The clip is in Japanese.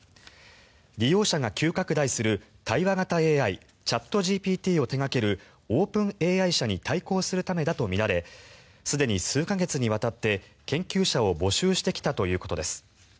利用者が急拡大する対話型ＡＩチャットＧＰＴを手掛けるオープンＡＩ社に対抗するためだとみられすでに数か月にわたって研究者を募集してきたということです。